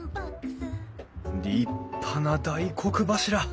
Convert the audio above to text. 立派な大黒柱。